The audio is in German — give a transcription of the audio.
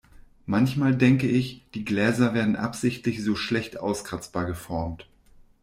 Manchmal denke ich, die Gläser werden absichtlich so schlecht auskratzbar geformt.